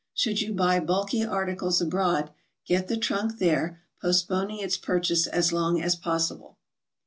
Should you buy bulky articles abroad, get the trunk there, postponing its purchase as long as possible.